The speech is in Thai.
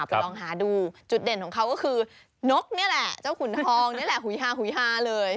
ไปลองหาดูจุดเด่นของเขาก็คือนกนี่แหละเจ้าขุนทองนี่แหละหุยฮาหุยฮาเลย